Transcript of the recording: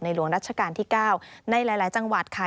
หลวงรัชกาลที่๙ในหลายจังหวัดค่ะ